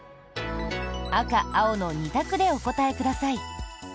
赤、青の２択でお答えください。